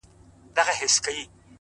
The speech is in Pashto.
د بې غمۍ لږ خوب